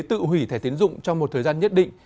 tự hủy thẻ tiến dụng trong một thời gian nhất định